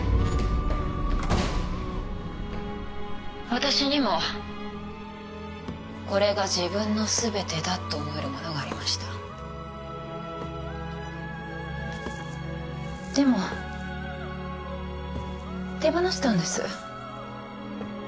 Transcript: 私にもこれが自分のすべてだと思えるものがありましたでも手放したんです